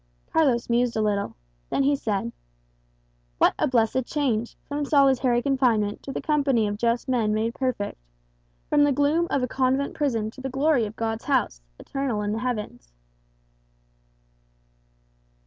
Carlos mused a little. Then he said, "What a blessed change, from solitary confinement to the company of just men made perfect; from the gloom of a convent prison to the glory of God's house, eternal in the heavens!"